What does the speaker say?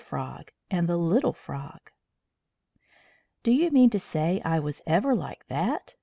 FROG, AND THE LITTLE FROG "Do you mean to say I was ever like that?"